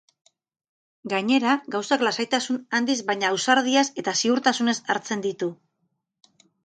Gainera, gauzak lasaitasun handiz baina ausardiaz eta ziurtasunez hartzen ditu.